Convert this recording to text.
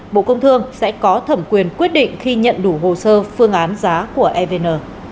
bộ công thương sẽ có thẩm quyền quyết định khi nhận đủ hồ sơ phương án giá của evn